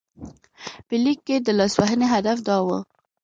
په لیک کې د لاسوهنې هدف دا و.